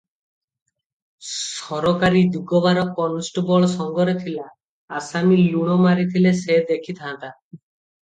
ସରକାରୀ ଦିଗବାର କନଷ୍ଟବଳ ସଙ୍ଗରେ ଥିଲା, ଆସାମୀ ଲୁଣ ମାରିଥିଲେ ସେ ଦେଖି ଥାଆନ୍ତା ।